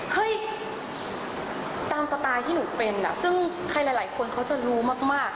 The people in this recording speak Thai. เฮ้ยตามสไตล์ที่หนูเป็นซึ่งใครหลายคนเขาจะรู้มาก